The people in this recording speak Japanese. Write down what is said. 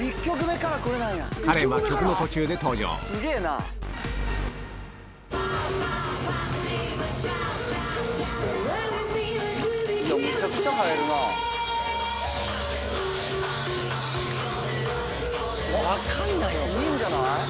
いいんじゃない？